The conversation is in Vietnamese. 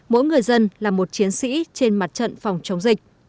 mỗi người dân là một chiến sĩ trên mặt trận phòng chống dịch